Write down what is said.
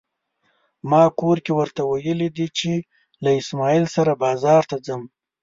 ما کور کې ورته ويلي دي چې له اسماعيل سره بازار ته ځم.